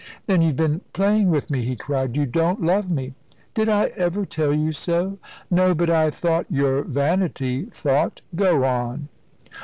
"Then you've been playing with me?" he cried; "you don't love me?" "Did I ever tell you so?" "No; but I thought " "Your vanity thought! Go on."